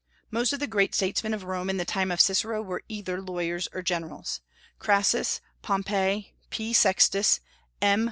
Most of the great statesmen of Rome in the time of Cicero were either lawyers or generals. Crassus, Pompey, P. Sextus, M.